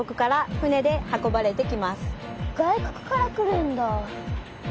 外国から来るんだ！